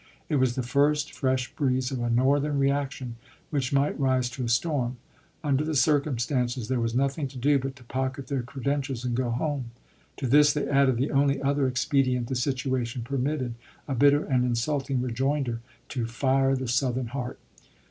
It was the first fresh breeze of a Northern reaction which might rise to a storm. Under the circumstances there was nothing to do but to pocket their credentials and go home. To this they added the only other expedient the situa tion permitted — a bitter and insulting rejoinder to " fire the Southern heart."